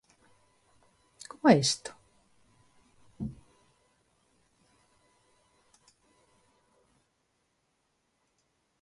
Como é isto?